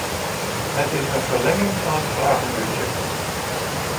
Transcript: Het is een verlenging van het vragenuurtje.